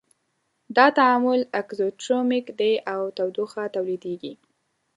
دا تعامل اکزوترمیک دی او تودوخه تولیدیږي.